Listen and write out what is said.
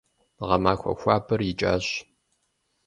Гъэмахуэ хуабэр икӀащ.